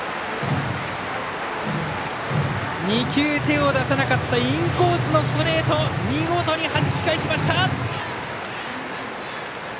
２球、手を出さなかったインコースのストレートを見事に返しました。